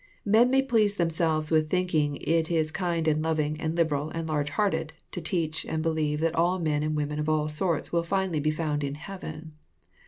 Men may please themselves with thinking it is kind and loving and liberal and large hearted to teach and believe that all men and women of all sorts will finally be found in heaven.